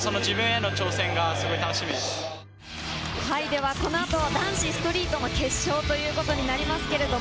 ではこのあと、男子ストリートの決勝ということになります。